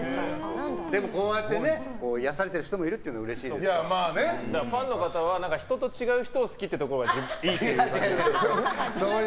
でも、こうやって癒やされている人もいるというがファンの方は人と違う人を好きっていうところがいいって言うからね。